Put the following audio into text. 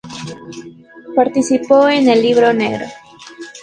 Participó en "El Libro negro".